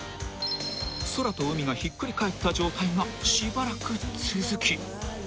［空と海がひっくり返った状態がしばらく続き］